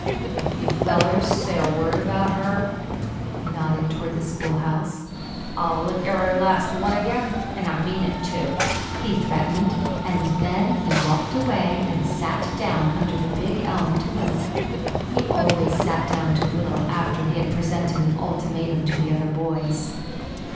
"If you fellers say a word about her"—he nodded toward the school house—"I'll lick every last one of yeh, an' I mean it, too!" he threatened, and then he walked away and sat down under the big elm to whittle. He always sat down to whittle after he had presented an ultimatum to the other boys.